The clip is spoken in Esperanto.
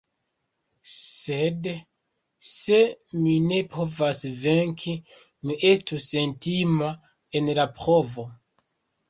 Sed se mi ne povas venki, mi estu sentima en la provo.